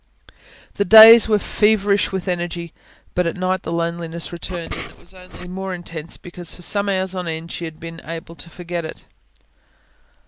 The days were feverish with energy. But at night the loneliness returned, and was only the more intense because, for some hours on end, she had been able to forget it.